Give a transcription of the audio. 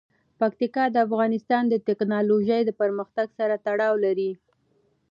پکتیا د افغانستان د تکنالوژۍ پرمختګ سره تړاو لري.